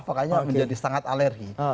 makanya menjadi sangat alergi